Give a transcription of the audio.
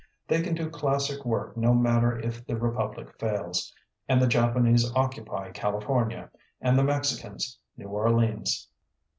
They can do classic work no matter if the republic falls, and the Japanese occupy California, and the Mexicans, New Or leans.